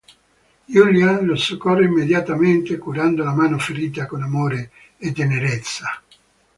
Giulia lo soccorre immediatamente, curando la mano ferita con amore e tenerezza.